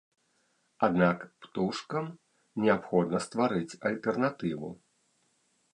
Аднак птушкам неабходна стварыць альтэрнатыву.